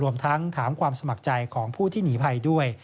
รวมทั้งถามความสมัครใจของผู้ที่หนีภัยด้วย